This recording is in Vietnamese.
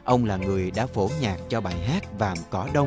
ông là người đã phổ nhạc cho bài hát vàm cỏ đông